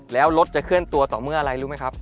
แล้วรถจะเคลื่อนตัวต่อเมื่ออะไรรู้ไหมครับ